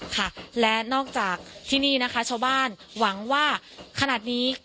ค่ะและนอกจากที่นี่นะคะชาวบ้านหวังว่าขนาดนี้